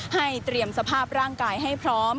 เตรียมสภาพร่างกายให้พร้อม